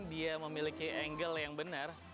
dia memiliki angle yang benar